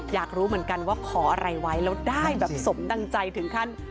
อยากรู้เหมือนกันว่าขออะไรไว้แล้วได้แบบสมดังใจถึงขั้น